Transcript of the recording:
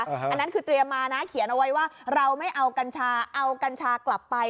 อันนั้นคือเตรียมมานะเขียนเอาไว้ว่าเราไม่เอากัญชาเอากัญชากลับไป